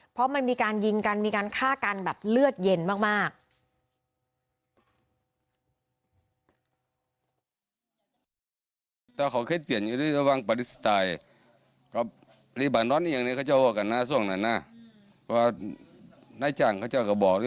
เพราะมันมีการยิงกันมีการฆ่ากันแบบเลือดเย็นมาก